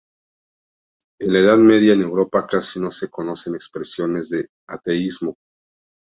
En la Edad media en Europa casi no se conocen expresiones de ateísmo.